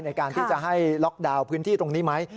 ในการที่จะให้ล็อกดาวน์พื้นที่ตรงนี้ไหม